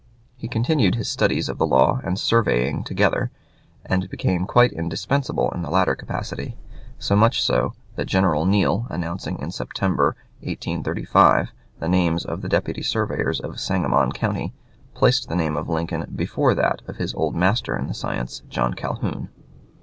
He continued his studies of the law and surveying together, and became quite indispensable in the latter capacity so much so that General Neale, announcing in September, 1835, the names of the deputy surveyors of Sangarnon County, placed the name of Lincoln before that of his old master in the science, John Calhoun.